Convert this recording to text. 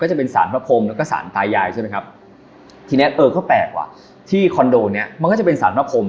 จะเป็นสารพระพรมแล้วก็สารตายายใช่ไหมครับทีเนี้ยเออก็แปลกว่ะที่คอนโดเนี้ยมันก็จะเป็นสารพระพรม